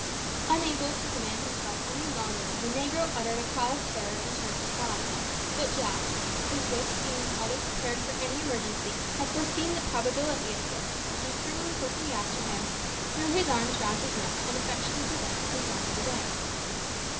Unable to command himself any longer, the negro uttered a cry of terror and turned to fly; but Jack, whose wits seemed always prepared for any emergency, had foreseen the probability of this, and springing quickly after him, threw his arms round his neck and effectually prevented his running away.